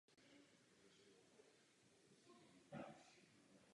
Nachází se na pobřeží Středozemního moře a je to důležitý přístav.